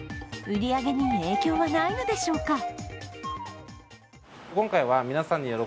売り上げに影響はないのでしょうか。